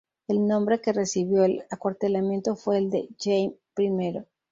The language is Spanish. El nombre que recibió el acuartelamiento fue el de "Jaime I".